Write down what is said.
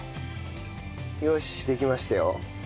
よしできましたよ。